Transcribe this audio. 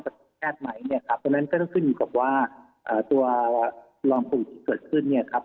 ก็ประเทศใหม่เนี่ยครับตรงนั้นก็เป็นหูศัพท์ตัวรองปลู๊กที่เกิดขึ้นเนี่ยครับ